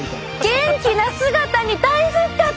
元気な姿に大復活！